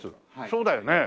そうだよね。